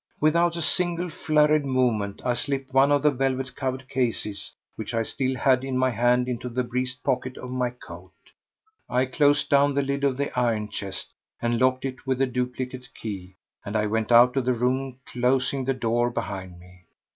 Without a single flurried movement, I slipped one of the velvet covered cases which I still had in my hand into the breast pocket of my coat, I closed down the lid of the iron chest and locked it with the duplicate key, and I went out of the room, closing the door behind me.